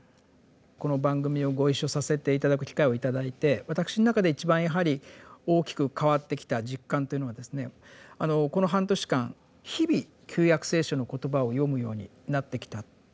この番組をご一緒させて頂く機会を頂いて私の中で一番やはり大きく変わってきた実感というのはこの半年間日々「旧約聖書」の言葉を読むようになってきた。